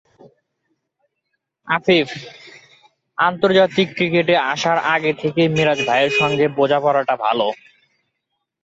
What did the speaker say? আফিফ: আন্তর্জাতিক ক্রিকেটে আসার আগে থেকেই মিরাজ ভাইয়ের সঙ্গে বোঝাপড়াটা ভালো।